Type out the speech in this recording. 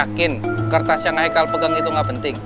makin kertas yang haikal pegang itu gak penting